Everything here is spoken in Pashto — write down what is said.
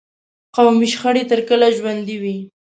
قومي شخړې تر کله ژوندي وي.